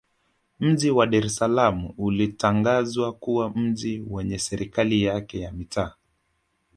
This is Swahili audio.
Mji wa Dar es Salaam ulitangazwa kuwa mji wenye Serikali yake ya Mitaa